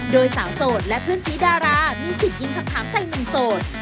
โดยสาวโสดและเพื่อนสีดารามีสิทธิ์ยิงคำถามใส่หนุ่มโสด